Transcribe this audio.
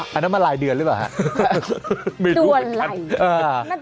อันนั้นมารายเดือนหรือเปล่าฮะ